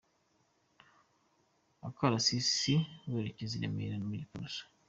Akarasisi werekeza i Remera mu Giporoso